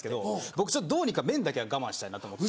僕どうにか麺だけは我慢したいなと思って。